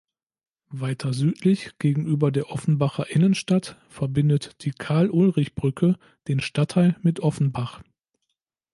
Weiter südlich gegenüber der Offenbacher Innenstadt verbindet die Carl-Ulrich-Brücke den Stadtteil mit Offenbach.